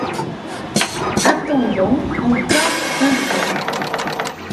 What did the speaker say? Attendons encore un peu.